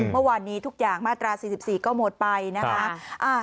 เมื่อวานนี้ทุกอย่างมาตราสี่สิบสี่ก็หมดไปนะคะอ่า